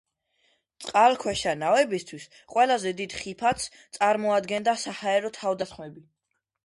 წყალქვეშა ნავებისთვის ყველაზე დიდ ხიფათს წარმოადგენდა საჰაერო თავდასხმები.